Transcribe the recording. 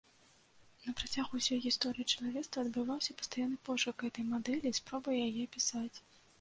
На працягу ўсёй гісторыі чалавецтва адбываўся пастаянны пошук гэтай мадэлі і спробы яе апісаць.